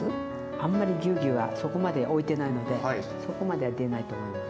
あんまりぎゅうぎゅうはそこまでおいてないのでそこまでは出ないと思います。